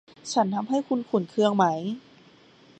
ฉันทำให้คุณขุ่นเคืองไหม